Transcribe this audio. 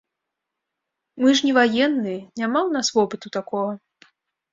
Мы ж не ваенныя, няма ў нас вопыту такога!